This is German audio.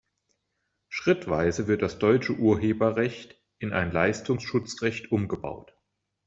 Schrittweise wird das deutsche Urheberrecht in ein Leistungsschutzrecht umgebaut.